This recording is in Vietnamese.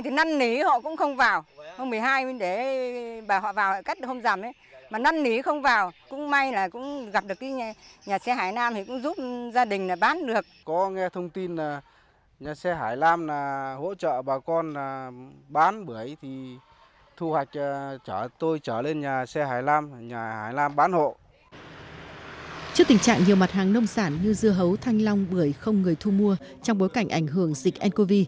trước tình trạng nhiều mặt hàng nông sản như dưa hấu thanh long bưởi không người thu mua trong bối cảnh ảnh hưởng dịch ncov